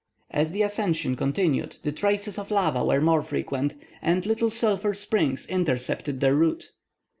As the ascension continued, the traces of lava were more frequent, and little sulphur springs intercepted their route.